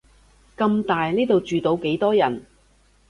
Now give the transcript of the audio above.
咁大，呢度住到幾多人